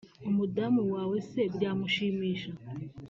umudamu wawe se byamushimisha